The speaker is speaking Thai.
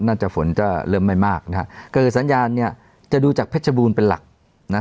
จะฝนจะเริ่มไม่มากนะฮะก็คือสัญญาณเนี่ยจะดูจากเพชรบูรณ์เป็นหลักนะ